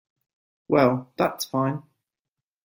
Well, that's fine.